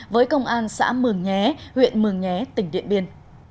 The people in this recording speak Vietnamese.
với công an xã mường nhé huyện mường nhé tỉnh điện biên